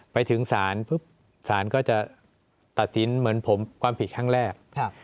ไปถึงศาลปุ๊บศาลก็จะตัดสินเหมือนผมความผิดครั้งแรก